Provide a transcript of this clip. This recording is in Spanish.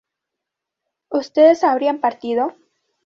ustedes habrían partido